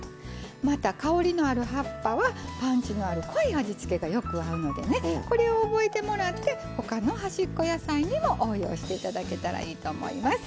また香りのある葉っぱはパンチのある濃い味付けがよく合うのでねこれを覚えてもらって他の端っこ野菜にも応用して頂けたらいいと思います。